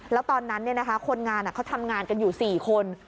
แล้วตอนนั้นคนงานเขาทำงานกันอยู่๔คน